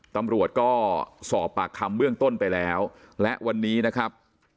ตำรวจก็สอบปากคำเบื้องต้นไปแล้วและวันนี้นะครับ